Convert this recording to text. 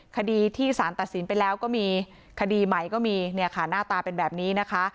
คดีที่สารตัดสินไปแล้วก็มีคดีใหม่ก็มีเนี่ยค่ะหน้าตาเป็นแบบนี้นะคะ